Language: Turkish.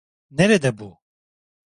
Nerede bu?